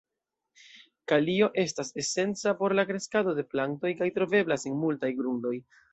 Kalio estas esenca por la kreskado de plantoj kaj troveblas en multaj grundoj.